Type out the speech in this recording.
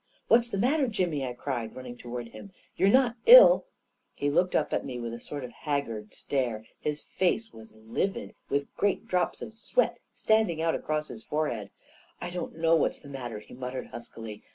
"What's the matter, Jimmy?" I cried, running toward him. " You're not ill ?"> He looked up at me with a sort of haggard stare ; i 4 6 A KING IN BABYLON his face was livid, with great drops of sweat stand ing out across the forehead. " I don't know what's the matter," he muttered huskily.